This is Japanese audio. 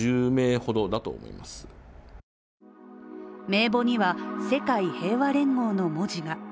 名簿には世界平和連合の文字が。